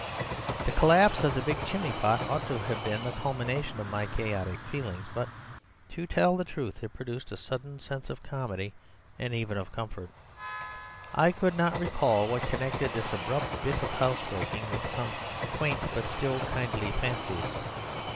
"The collapse of the big chimney pot ought to have been the culmination of my chaotic feelings; but, to tell the truth, it produced a sudden sense of comedy and even of comfort. I could not recall what connected this abrupt bit of housebreaking with some quaint but still kindly fancies.